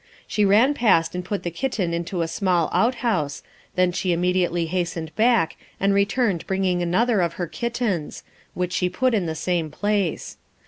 She ran past and put the kitten into a small outhouse, when she immediately hastened back, and returned bringing another of her kittens, which she put in the same place.